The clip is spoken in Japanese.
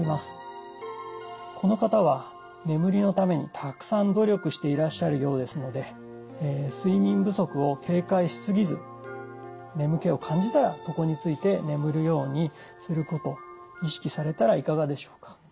この方は眠りのためにたくさん努力していらっしゃるようですので睡眠不足を警戒しすぎず眠気を感じたら床に就いて眠るようにすることを意識されたらいかがでしょうか。